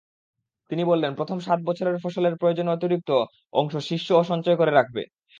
তিনি বললেন, প্রথম সাত বছরের ফসলের প্রয়োজনের অতিরিক্ত অংশ শীষসহ সঞ্চয় করে রাখবে।